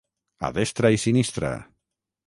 A destra i sinistra.